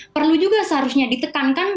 perlu juga seharusnya ditekankan